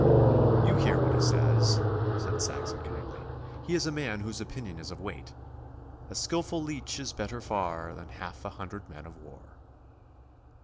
'You hear what he says,' said Saxon kindly. 'He is a man whose opinion is of weight "A skilful leach is better far, Than half a hundred men of war."